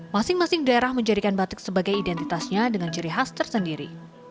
masing masing daerah menjadikan batik sebagai identitasnya dengan ciri khas tersendiri